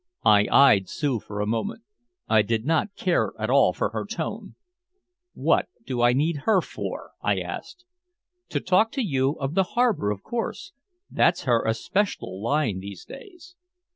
I eyed Sue for a moment. I did not care at all for her tone. "What do I need her for?" I asked. "To talk to you of the harbor, of course that's her especial line these days."